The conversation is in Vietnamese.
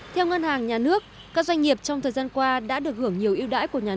theo ngân hàng nhà nước các doanh nghiệp trong thời gian qua đã được gửi nhiều yêu đãi